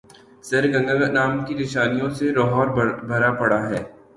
سرگنگا رام کی نشانیوں سے لاہور بھرا پڑا ہے۔